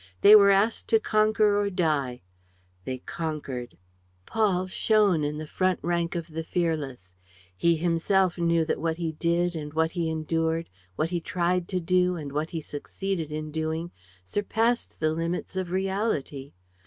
They were asked to conquer or die. They conquered. Paul shone in the front rank of the fearless. He himself knew that what he did and what he endured, what he tried to do and what he succeeded in doing surpassed the limits of reality.